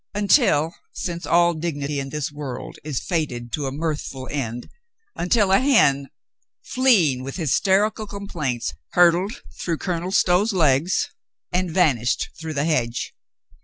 Until — since all dignity in this world is fated to a mirthful end — until a hen, fleeing with hysterical complaints, hurtled through Colonel Stow's legs and vanished through the hedge.